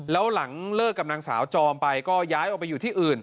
แล้วหลังเลิกกับนางสาวจอมไปก็ย้ายออกไปอยู่ที่อื่น